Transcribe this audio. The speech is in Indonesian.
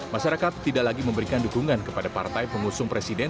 masyarakat tidak lagi memberikan dukungan kepada partai pengusung presiden